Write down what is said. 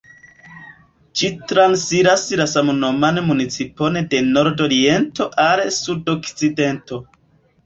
Ĝi transiras la samnoman municipon de nordoriento al sudokcidento.